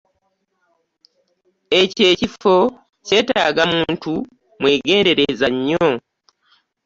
Ekyo ekifo kyetaaga muntu mwegendereza nnyo.